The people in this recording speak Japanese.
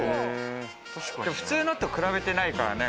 普通のと比べてないからね。